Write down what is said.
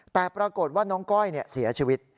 แต่ปรากฏว่าน้องก้อยเสียชีวิต